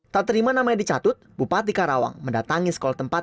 tak terima namanya dicatut bupati karawang mendatangi sekolah tempat